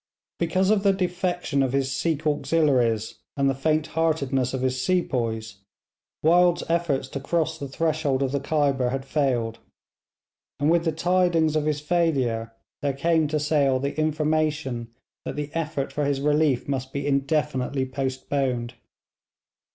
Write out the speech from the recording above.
Because of the defection of his Sikh auxiliaries and the faint heartedness of his sepoys, Wild's efforts to cross the threshold of the Khyber had failed, and with the tidings of his failure there came to Sale the information that the effort for his relief must be indefinitely postponed.